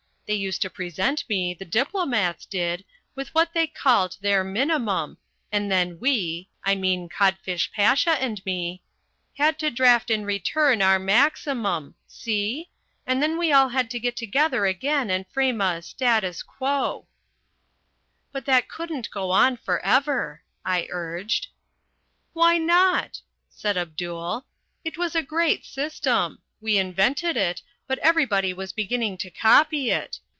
They used to present me the diplomats did with what they called their Minimum, and then we (I mean Codfish Pasha and me) had to draft in return our Maximum see? and then we all had to get together again and frame a status quo." "But that couldn't go on for ever," I urged. "Why not?" said Abdul. "It was a great system. We invented it, but everybody was beginning to copy it.